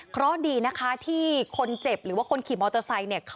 เพราะดีที่คนเจ็บหรือคนขี่มอเตอร์ไซด์